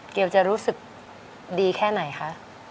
เกลจะรู้สึกดีแค่ไหนคะ